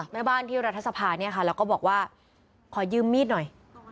แม่บ้านที่รัฐสภาเนี่ยค่ะแล้วก็บอกว่าขอยืมมีดหน่อย